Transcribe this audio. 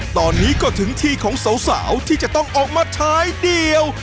ตอนนี้ก็ถึงที่ของสาวที่จะต้องออกมาท้ายเดียว